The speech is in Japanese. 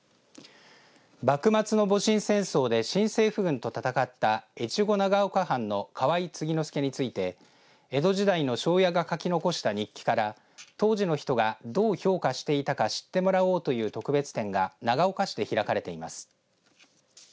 幕末の戊辰戦争で新政府軍と戦った越後長岡藩の河井継之助について江戸時代の庄屋が書き残した日記から当時の人が、どう評価していたか知ってもらおうという特別展が長岡市で開かれています。